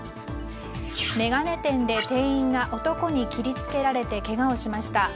眼鏡店で店員が男に切り付けられてけがをしました。